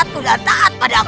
sudah taat padaku